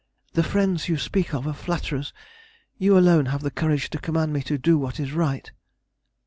"The friends you speak of are flatterers. You alone have the courage to command me to do what is right."